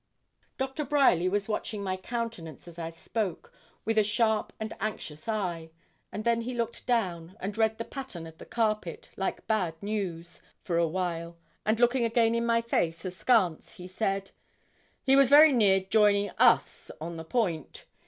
Doctor Bryerly was watching my countenance as I spoke, with a sharp and anxious eye; and then he looked down, and read the pattern of the carpet like bad news, for a while, and looking again in my face, askance, he said 'He was very near joining us on the point.